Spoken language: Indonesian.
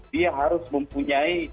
dia harus mempunyai